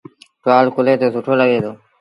ٽوآل ڪلهي تي سُٺو لڳي دو